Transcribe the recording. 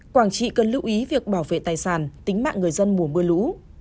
quảng trị cần lưu ý việc bảo vệ tài sản tính mạng người dân mùa mưa lũ